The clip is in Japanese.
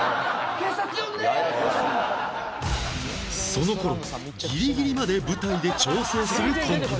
その頃ギリギリまで舞台で調整するコンビも